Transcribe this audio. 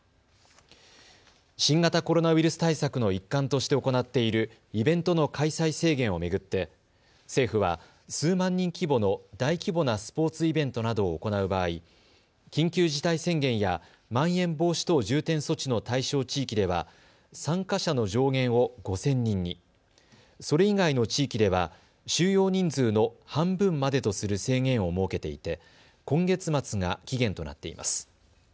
新型コロナウイルス対策の一環として行っているイベントの開催制限を巡って政府は数万人規模の大規模なスポーツイベントなどを行う場合、緊急事態宣言やまん延防止等重点措置の対象地域では参加者の上限を５０００人に、それ以外の地域では収容人数の半分までとする制限を設けていて今月末が期限となっています。